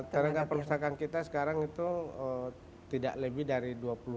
tenaga perpustakaan kita sekarang itu tidak lebih dari dua puluh